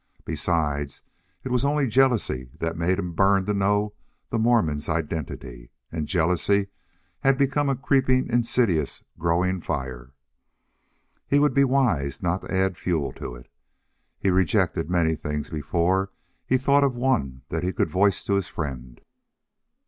Besides, it was only jealousy that made him burn to know the Mormon's identity, and jealousy had become a creeping, insidious, growing fire. He would be wise not to add fuel to it. He rejected many things before he thought of one that he could voice to his friend.